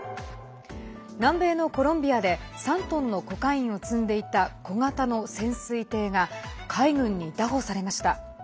南米のコロンビアで３トンのコカインを積んでいた小型の潜水艇が海軍に拿捕されました。